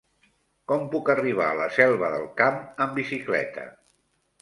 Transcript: Com puc arribar a la Selva del Camp amb bicicleta?